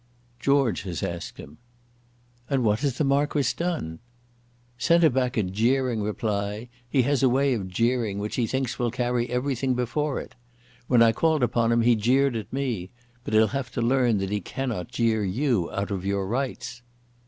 "George has asked him." "And what has the Marquis done?" "Sent him back a jeering reply. He has a way of jeering which he thinks will carry everything before it. When I called upon him he jeered at me. But he'll have to learn that he cannot jeer you out of your rights."